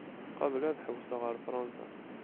Qabel ad ḥewseɣ ar Fṛansa.